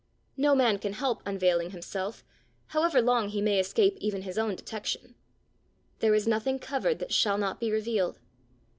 No man can help unveiling himself, however long he may escape even his own detection. There is nothing covered that shall not be revealed.